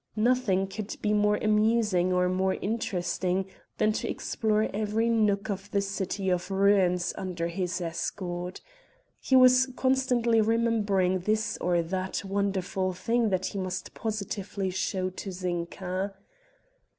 Nothing could be more amusing or more interesting than to explore every nook of the city of ruins under his escort. He was constantly remembering this or that wonderful thing that he must positively show to Zinka.